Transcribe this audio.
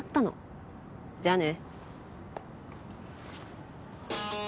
じゃあね。